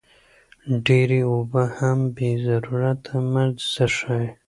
ډېرې اوبه هم بې ضرورته مه څښئ.